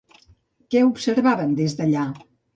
Què observaven des d'allà?